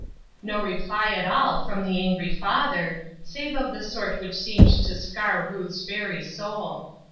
No reply at all from the angry father, save of the sort which seemed to scar Ruth's very soul.